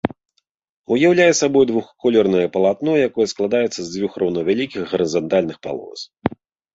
Уяўляе сабой двухколернае палатно, якое складаецца з дзвюх роўнавялікіх гарызантальных палос.